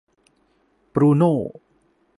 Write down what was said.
บรูโน่